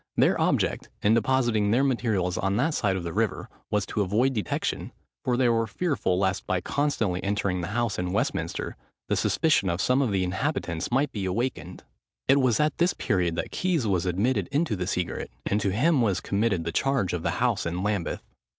Their object, in depositing their materials on that side of the river, was to avoid detection, for they were fearful lest, by constantly entering the house in Westminster, the suspicion of some of the inhabitants might be awakened. It was at this period that Keys was admitted into the secret, and to him was committed the charge of the house in Lambeth.